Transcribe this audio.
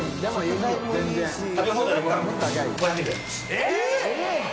えっ！